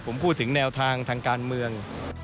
ผมพูดถึงแนวทางทางการเมือง